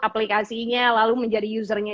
aplikasinya lalu menjadi usernya